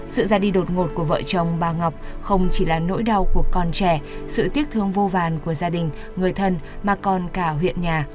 sự ra đi đột ngột của vợ chồng bà ngọc không chỉ là nỗi đau của con trẻ sự tiếc thương vô vàn của gia đình người thân mà còn cả huyện nhà